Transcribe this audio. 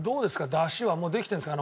出汁はもうできてるんですか？